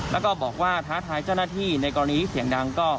แล้วก็บอกว่าท้าทายเจ้าหน้าที่ในกรณีเสียงดังก็